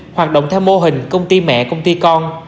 hoạt động theo mô hình công ty mẹ công ty con